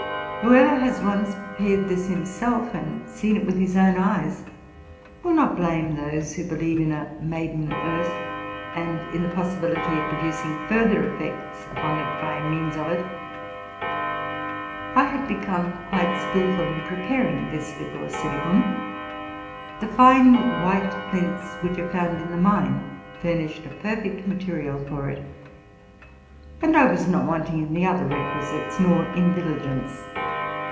Whoever has once prepared this himself, and seen it with his own eyes, will not blame those who believe in a maiden earth, and in the possibility of producing further effects upon it by means of it. I had become quite skilful in pre paring this Liquor Silicum; the fine white flints which are found in the Main furnished a perfect material for it: and I was not wanting in the other requisites, nor in diligence.